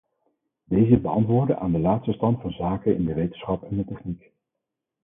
Deze beantwoorden aan de laatste stand van zaken in de wetenschap en de techniek.